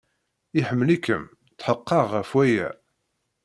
Iḥemmel-ikem. Tḥeqqeɣ ɣef waya.